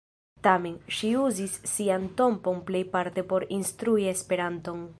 Tamen, ŝi uzis sian tempon plejparte por instrui Esperanton.